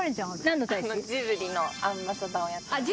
ジブリのアンバサダーをやってます。